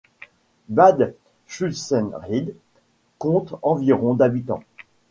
Bad Schussenried compte environ habitants.